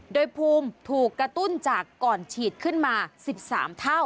โดยภูมิถูกกระตุ้นจากก่อนฉีดขึ้นมา๑๓เท่า